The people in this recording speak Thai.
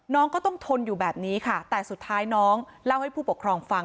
น้องก็ต้องทนอยู่แบบนี้ค่ะแต่สุดท้ายน้องเล่าให้ผู้ปกครองฟัง